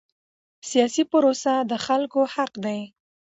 سیاسي پروسه د خلکو حق دی